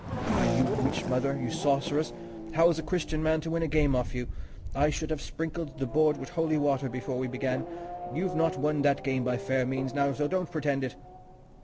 "Ah, you witch mother, you sorceress! How is a Christian man to win a game off you? I should have sprinkled the board with holy water before we began. You've not won that game by fair means, now, so don't pretend it."